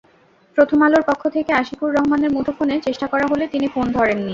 প্রথম আলোর পক্ষ থেকে আশিকুর রহমানের মুঠোফোনে চেষ্টা করা হলে তিনি ফোন ধরেননি।